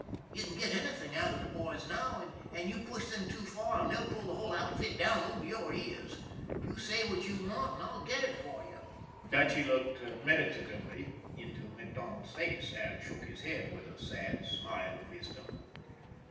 You can get anything out of the boys now, but you push them too far and they'll pull the whole outfit down over your ears. You say what you want, and I'll get it for you." Dutchy looked meditatively into MacDonald's face, and shook his head with a sad smile of wisdom.